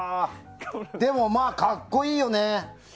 でも、まあ格好いいよね。